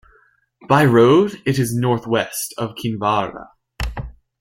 By road it is northwest of Kinvarra.